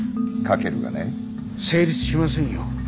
成立しませんよ。